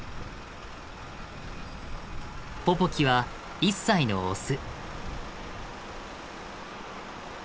ポポキは１歳のオス。